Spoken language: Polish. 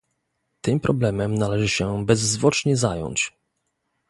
Tym problemem należy się bezzwłocznie zająć